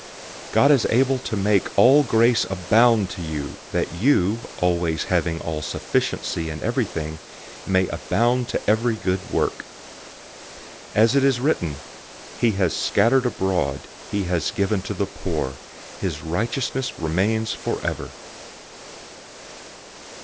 009:008 And God is able to make all grace abound to you, that you, always having all sufficiency in everything, may abound to every good work. 009:009 As it is written, "He has scattered abroad, he has given to the poor. His righteousness remains forever."